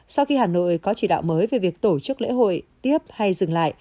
sau khi hà nội có chỉ đạo mới về việc tổ chức lễ hội tiếp hay dừng lại